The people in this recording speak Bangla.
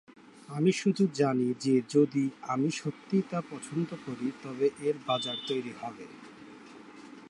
আমি শুধু জানি যে যদি আমি সত্যিই তা পছন্দ করি তবে এর বাজার তৈরি হবে।